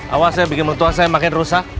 awas ya bikin betul saya makin rusak